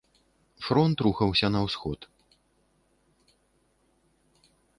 Фронт рухаўся на ўсход.